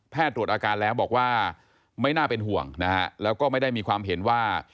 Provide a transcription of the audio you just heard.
ตรวจอาการแล้วบอกว่าไม่น่าเป็นห่วงนะฮะแล้วก็ไม่ได้มีความเห็นว่า